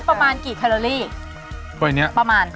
ประมาณกี่แคลอรี่